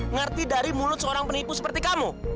ngerti dari mulut seorang penipu seperti kamu